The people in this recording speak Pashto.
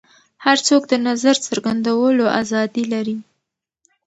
هر څوک د نظر څرګندولو ازادي لري.